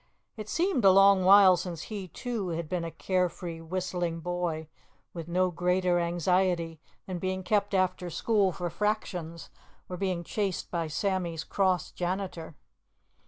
It seemed a long while since he, too, had been a care free, whistling boy, with no greater anxiety than being kept after school for fractions, or being chased by Sammy's cross janitor.